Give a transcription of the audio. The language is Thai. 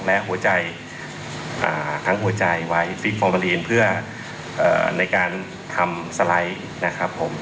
และหัวใจอ่าทั้งหัวใจไว้เพื่ออ่าในการทำนะครับผม